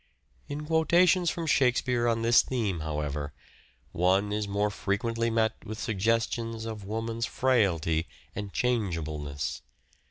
In quotations from Shakespeare on this theme, however, one is more frequently met with suggestions of Woman's frailty and changeableness.